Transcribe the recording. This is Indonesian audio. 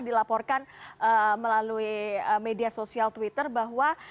dilaporkan melalui media sosial twitter bahwa